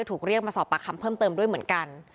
ถูกเรียกมาสอบปากคำเพิ่มเติมด้วยเหมือนกัน